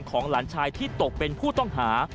หลานชายที่ตกเป็นผู้ต้องหา